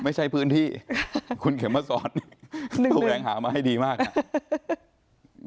ไม่ใช่พื้นที่คุณเข็มมาสอนแวงหามาให้ดีมากน่ะ